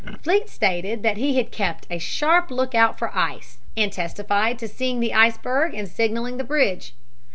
Fleet stated that he had kept a sharp lookout for ice, and testified to seeing the iceberg and signaling the bridge.